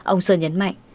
ông sơn nhấn mạnh